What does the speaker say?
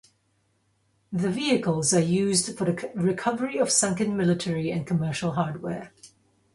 The vehicles are used for the recovery of sunken military and commercial hardware.